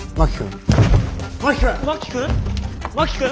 真木君？